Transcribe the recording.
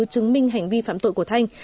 chứng minh hành vi phạm tội của thanh